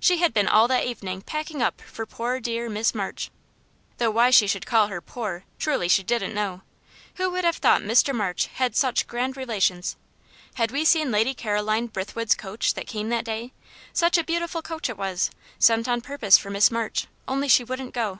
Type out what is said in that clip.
She had been all that evening packing up for poor dear Miss March; though why she should call her "poor," truly, she didn't know. Who would have thought Mr. March had such grand relations? Had we seen Lady Caroline Brithwood's coach that came that day? Such a beautiful coach it was! sent on purpose for Miss March only she wouldn't go.